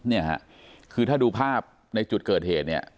เนี่ยฮะคือถ้าดูภาพในจุดเกิดเหตุเนี่ย